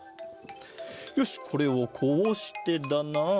よしこれをこうしてだな。